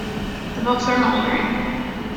The books were mouldering.